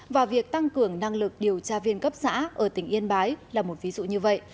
và việc tăng cường năng lực điều tra viên cấp xã ở tỉnh yên bái là một ví dụ như vậy